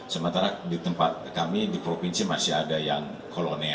sementara di tempat kami di provinsi masih ada yang kolonel